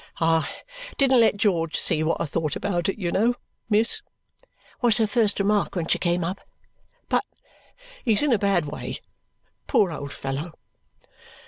"I didn't let George see what I thought about it, you know, miss," was her first remark when she came up, "but he's in a bad way, poor old fellow!"